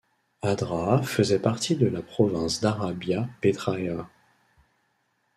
Adraa faisait partie de la province d'Arabia Petræa.